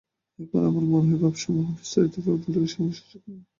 এখন আমার মনের ভাবসমূহ বিস্তারিতবাবে বলিবার সময় বা সুযোগ নাই।